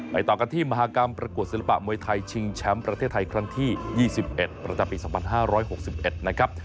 ต่อกันที่มหากรรมประกวดศิลปะมวยไทยชิงแชมป์ประเทศไทยครั้งที่๒๑ประจำปี๒๕๖๑นะครับ